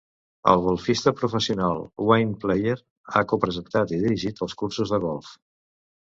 El golfista professional Wayne Player ha co-presentat i dirigit els cursos de golf.